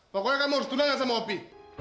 pokoknya kamu harus tunangin sama opi